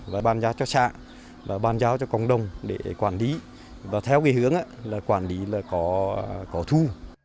và bàn giao cho xã và ban giáo cho cộng đồng để quản lý và theo cái hướng là quản lý là có thu